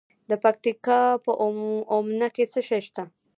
د پکتیکا په اومنه کې څه شی شته؟